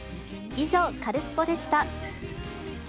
以上、カルスポっ！でした。